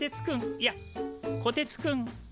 いやこてつくん。